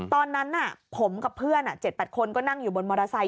ตอนนั้นผมกับเพื่อน๗๘คนก็นั่งอยู่บนมอเตอร์ไซค